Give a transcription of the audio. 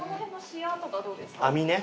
網ね。